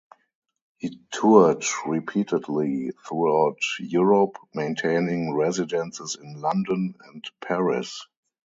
He toured repeatedly throughout Europe, maintaining residences in London and Paris.